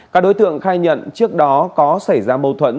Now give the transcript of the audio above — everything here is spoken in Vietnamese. các đối tượng khai nhận trước đó có xảy ra mâu thuẫn